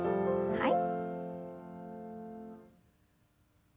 はい。